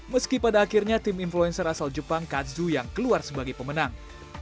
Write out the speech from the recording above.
meski pada akhirnya tim influencer asal jepang katzu yang keluar sebagai pemenang